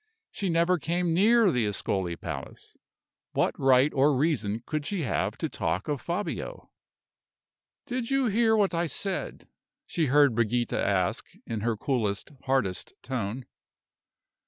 She never came near the Ascoli Palace what right or reason could she have to talk of Fabio? "Did you hear what I said?" she heard Brigida ask, in her coolest, hardest tone.